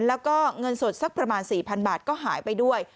แล้วก็เงินสดสักประมาณ๔๐๐๐บาทก็หายไปด้วย